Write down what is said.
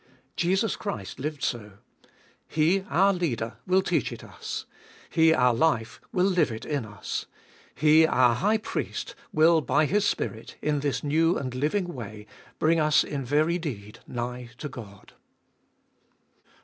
Jesus Christ lived so. He, our Leader, wilt teach it us. He, our life, will Hue it in us. He, our High Priest, will by His Spirit, in this new and living way, bring us in very deed nigh to God.